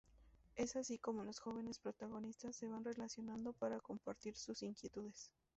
Es así como los jóvenes protagonistas se van relacionando para compartir sus inquietudes.